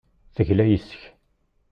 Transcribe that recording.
Tegla yes-k.